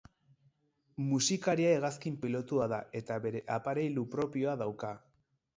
Musikaria hegazkin pilotua da eta bere aparailu propioa dauka.